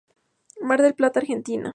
Mar del Plata, Argentina.